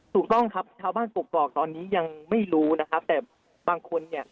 ถูกต้องครับชาวบ้านกรกตอนนี้ยังไม่รู้นะครับแต่บางคนเนี่ย